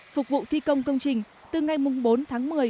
phục vụ thi công công trình từ ngày bốn tháng một mươi